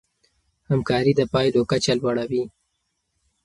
همکاري د پايلو کچه لوړوي.